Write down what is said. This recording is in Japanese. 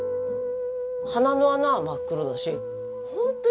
鼻の穴は真っ黒だし本当に大変で。